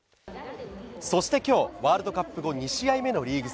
そしてきょう、ワールドカップ後２試合目のリーグ戦。